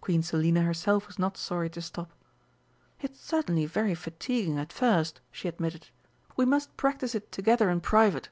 Queen Selina herself was not sorry to stop. "It's certainly very fatiguing at first," she admitted; "we must practise it together in private....